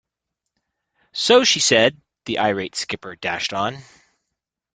So she said, the irate skipper dashed on.